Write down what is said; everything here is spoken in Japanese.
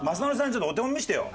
ちょっとお手本見せてよ。